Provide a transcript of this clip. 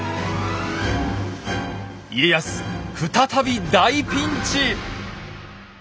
家康再び大ピンチ！